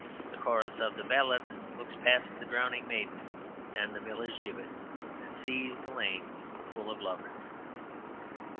The chorus of the ballad looks past the drowning maiden and the miller's gibbet, and sees the lanes full of lovers.